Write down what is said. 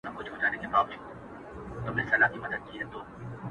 ستا له غزلونو زړه روغ پاته نه دی